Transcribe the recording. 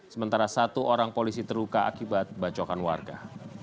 sementara satu orang polisi terluka akibat bacokan warga